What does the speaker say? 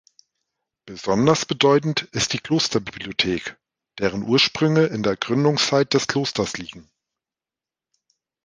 Besonders bedeutend ist die Klosterbibliothek, deren Ursprünge in der Gründungszeit des Klosters liegen.